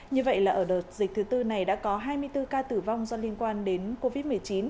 như vậy là ở đợt dịch thứ tư này đã có hai mươi bốn ca tử vong do liên quan đến covid một mươi chín